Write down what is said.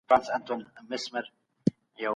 حل دا دی چي د مطالعې کلتور پياوړی سي.